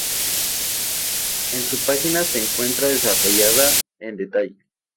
En su página se encuentra desarrollada en detalle.